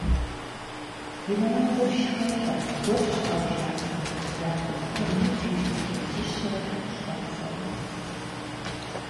Гималай къуршхэм лъэпкъ гуэр щыӏэу жаӏэ, я цӏыхухэр ику иту илъэсищэрэ тхущӏрэ псэууэ.